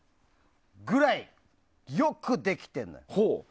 それぐらいよくできてるの。